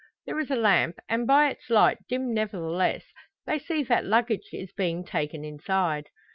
There is a lamp, and by its light, dim nevertheless, they see that luggage is being taken inside.